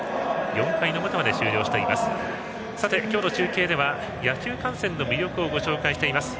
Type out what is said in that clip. ４回の表まで終了しています。